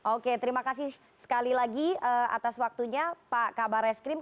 oke terima kasih sekali lagi atas waktunya pak kabar reskrim